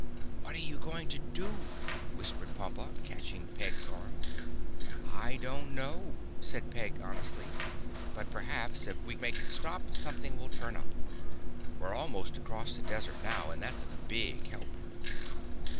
"What are you going to do?" whispered Pompa, catching Peg's arm. "I don't know," said Peg honestly, "but perhaps if we can make it stop something will turn up. We're almost across the desert now and that's a big help."